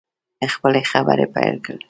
خپلې خبرې پیل کړې.